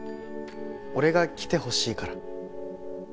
俺が来てほしいから。